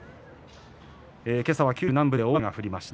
けさは九州南部で大雨が降りました。